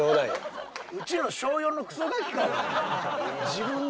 うちの小４のクソガキかお前。